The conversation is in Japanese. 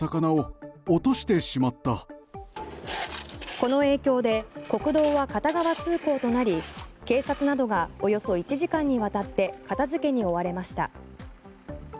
この影響で国道は片側通行となり警察などがおよそ１時間にわたって片付けに追われました。